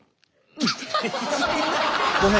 ごめん。